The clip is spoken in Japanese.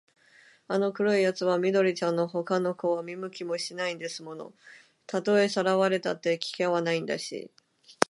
あの黒いやつは緑ちゃんのほかの子は見向きもしないんですもの。たとえさらわれたって、危険はないんだし、